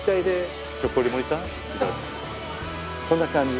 そんな感じ。